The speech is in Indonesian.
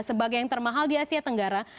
sebagai yang termahal di asia tenggara